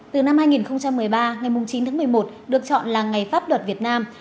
từ năm hai nghìn một mươi ba ngày chín tháng một mươi một được chọn là ngày pháp luật việt nam